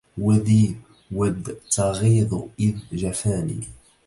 وذي ود تغيظ إذ جفاني